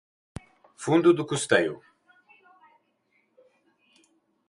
fundo de custeio